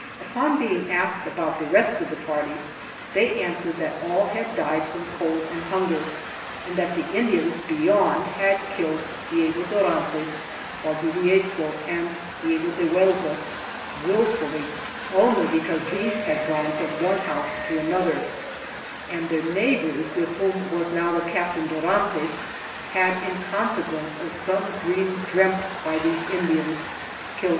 Upon being asked about the rest of the party, they answered that all had died from cold and hunger and that the Indians beyond had killed Diego Dorantes, Valdivieso and Diego de Huelva wilfully, only because these had gone from one house to another, and their neighbors with whom was now the Captain Dorantes, had, in con sequence of some dream dreamt by these Indians, killed Esquivel and Mendez also.